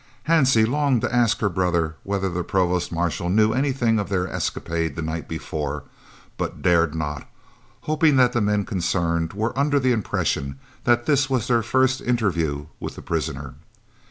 Hansie longed to ask her brother whether the Provost Marshal knew anything of their escapade the night before, but dared not, hoping that the men concerned were under the impression that this was their first interview with the prisoner.